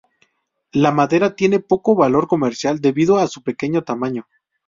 La madera tiene poco valor comercial debido a su pequeño tamaño.